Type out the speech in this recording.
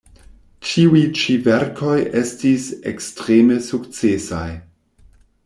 Ĉiuj ĉi verkoj estis ekstreme sukcesaj.